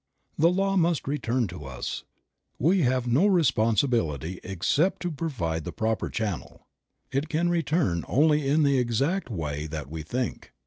The law must return to us; we have no responsibility except to provide the proper channel. It can return only in the exact way that we think.